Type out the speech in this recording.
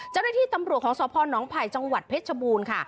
เจ้าหน้าที่ตำรวจของสพนไผ่จังหวัดเพชรชบูรณ์ค่ะ